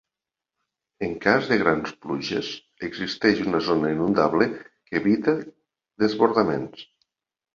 En cas de grans pluges, existeix una zona inundable que evita desbordaments.